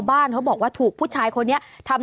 เบิร์ตลมเสียโอ้โห